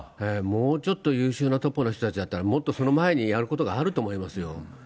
もうちょっと優秀なトップの人たちだったら、もっとその前にやることがあると思いますよ。